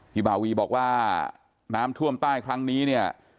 พี่บาวีบอกว่าน้ำถ้วนใต้ครั้งนี้